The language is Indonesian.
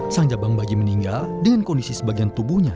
sang cabang bayi meninggal dengan kondisi sebagian tubuhnya